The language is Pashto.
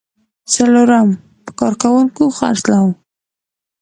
څلورم: په کارکوونکو خرڅلاو.